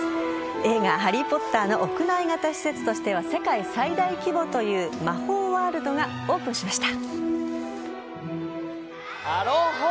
映画「ハリー・ポッター」の屋内型施設としては世界最大規模という魔法ワールドがオープンしました。